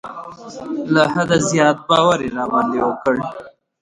له حده زیات باور یې را باندې وکړ.